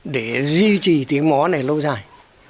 để duy trì tiếng mõ này lâu dài